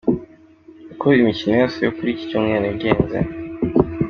Uko imikino yose yo kuri iki cyumweru yagenze.